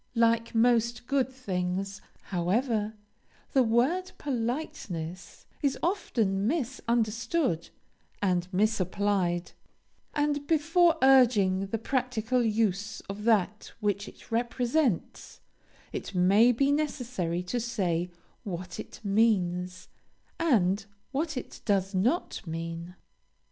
Like most good things, however, the word politeness is often misunderstood and misapplied; and before urging the practical use of that which it represents, it may be necessary to say what it means, and what it does not mean.